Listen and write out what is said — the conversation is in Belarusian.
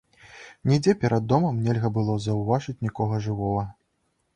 Нідзе перад домам нельга было заўважыць нікога жывога.